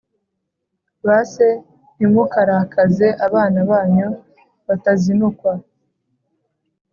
Ba se ntimukarakaze abana banyu batazinukwa